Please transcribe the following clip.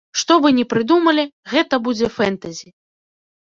Што бы ні прыдумалі, гэта будзе фэнтэзі!